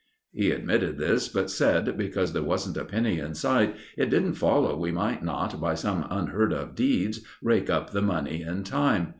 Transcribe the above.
He admitted this, but said, because there wasn't a penny in sight, it didn't follow we might not, by some unheard of deeds, rake up the money in time.